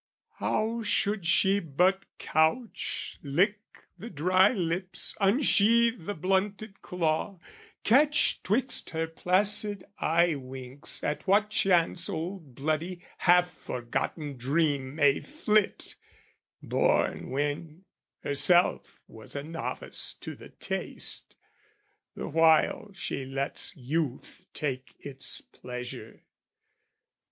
How should she but couch, Lick the dry lips, unsheathe the blunted claw, Catch 'twixt her placid eyewinks at what chance Old bloody half forgotten dream may flit, Born when herself was novice to the taste, The while she lets youth take its pleasure.